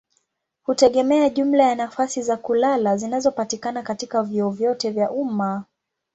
hutegemea jumla ya nafasi za kulala zinazopatikana katika vyuo vyote vya umma.